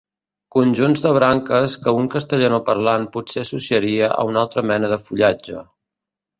Conjunts de branques que un castellanoparlant potser associaria a una altra mena de fullatge.